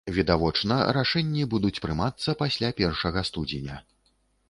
Відавочна рашэнні будуць прымацца пасля першага студзеня.